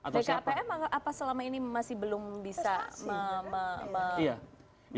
bkpm apa selama ini masih belum bisa